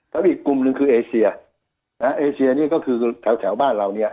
แล้วอีกกลุ่มหนึ่งคือเอเชียนะเอเซียนี่ก็คือแถวบ้านเราเนี่ย